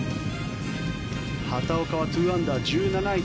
畑岡は２アンダー１７位